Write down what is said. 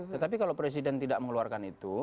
tetapi kalau presiden tidak mengeluarkan itu